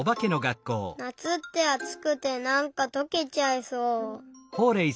なつってあつくてなんかとけちゃいそう。